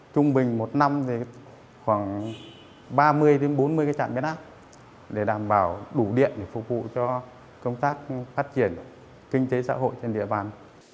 trung bình một năm thì khoảng ba mươi bốn mươi trạm biến áp để đảm bảo đủ điện để phục vụ cho công tác phát triển kinh tế xã hội trên địa bàn